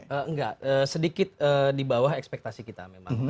enggak sedikit di bawah ekspektasi kita memang